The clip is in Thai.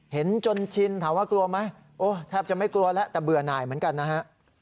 เห็นจนชินถามว่ากลัวไหมโอ้แทบจะไม่กลัวแล้วแต่เบื่อหน่ายเหมือนกันนะฮะ